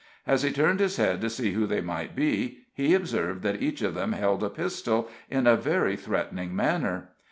As he turned his head to see who they might be, he observed that each of them held a pistol in a very threatening manner.